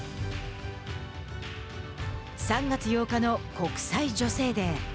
３月８日の国際女性デー。